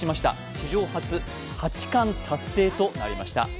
史上初八冠達成となりました。